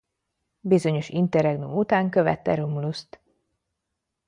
Bizonyos interregnum után követte Romulust.